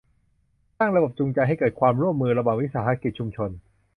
สร้างระบบจูงใจให้เกิดความร่วมมือระหว่างวิสาหกิจชุมชน